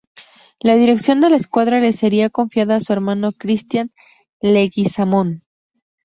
La dirección de la escuadra le sería confiada a su hermano Christian Leguizamón.